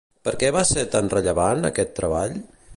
Per què va ser tan rellevant, aquest treball?